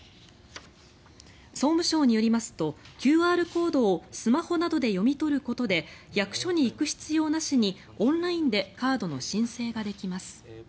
総務省によりますとＱＲコードをスマホなどで読み取ることで役所に行く必要なしにオンラインでカードの申請ができます。